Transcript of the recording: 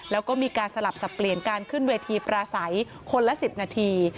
แล้วก็มีการสลับสับเปลี่ยนการขึ้นเวทีปราศัยคนละ๑๐นาที